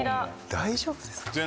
大丈夫ですか？